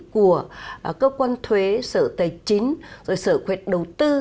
của cơ quan thuế sở tài chính rồi sở quyền đầu tư